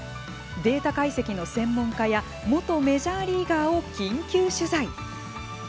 データ解析の専門家や元ジャーリーガーを緊急取材。